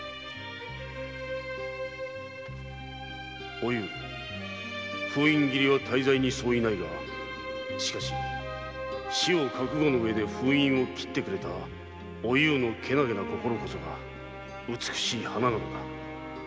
おゆう封印切りは大罪に相違ないがしかし死を覚悟のうえで封印を切ってくれたおゆうの健気な心こそが美しい花なのだ。